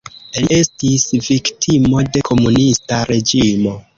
Li estis viktimo de komunista reĝimo.